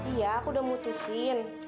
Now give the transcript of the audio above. iya aku udah mutusin